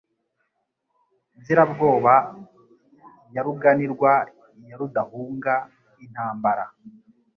Nzirabwoba ya Ruganirwayarudahunga intambara